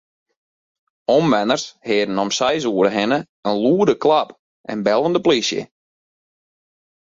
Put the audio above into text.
Omwenners hearden om seis oere hinne in lûde klap en bellen de plysje.